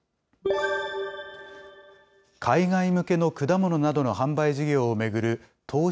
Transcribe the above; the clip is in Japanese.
海外向けの果物などの販売事業を巡る投資